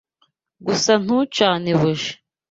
Gusa ntucane buji.